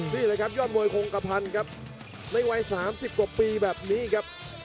นี่แหละครับยอดมวยคงกระพันธ์ครับในวัย๓๐กว่าปีแบบนี้ครับ